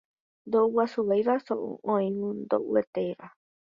Ndoʼuguasúiva soʼo oĩvoi ndoʼuietéva.